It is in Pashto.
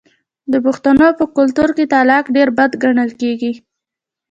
د پښتنو په کلتور کې طلاق ډیر بد ګڼل کیږي.